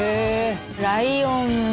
ライオンも。